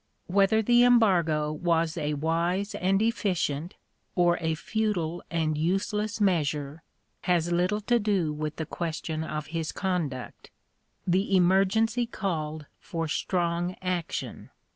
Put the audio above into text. Whether the embargo was a wise and efficient or a futile and useless measure has little to do with the question of his conduct. The emergency called for strong action.